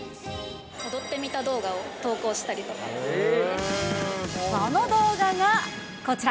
踊ってみた動画を投稿したりその動画がこちら。